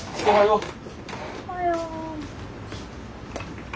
おはよう。